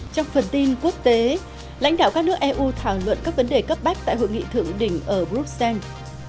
trong phần tin quốc tế lãnh đạo các nước eu thảo luận các vấn đề cấp bách tại hội nghị thượng đỉnh ở bruxelles